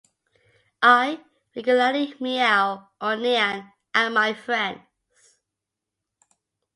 I regularly meow or nyan at my friends.